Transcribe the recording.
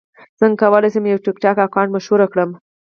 څنګه کولی شم یو ټکټاک اکاونټ مشهور کړم